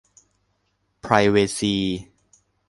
ไพรเวซี